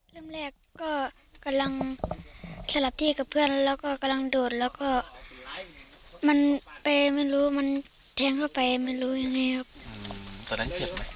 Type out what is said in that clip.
เริ่มแรกก็กำลังสลับที่กับเพื่อนแล้วก็กำลังโดดแล้วก็มันไปไม่รู้มันแทงเข้าไปไม่รู้ยังไงครับตอนนั้นเจ็บไหม